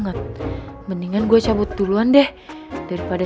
lu ke itaeng yang zusammen ke white man haha